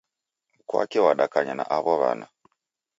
Mkwake wadakanya na aw'o w'ana